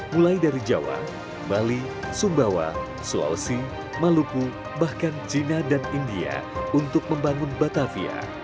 mulai dari jawa bali sumbawa sulawesi maluku bahkan china dan india untuk membangun batavia